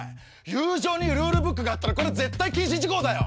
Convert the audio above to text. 友情にルールブックがあったらこれ絶対禁止事項だよ！